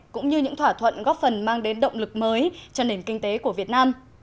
cũng như những thỏa thuận góp phần mang đến động lực mới cho nền kinh tế của việt nam